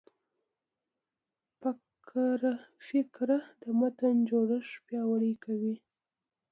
فقره د متن جوړښت پیاوړی کوي.